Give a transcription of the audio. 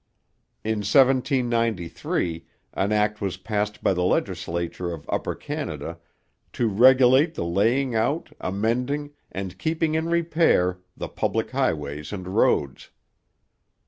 In 1793 an act was passed by the legislature of Upper Canada 'to regulate the laying out, amending, and keeping in repair, the public highways and roads.'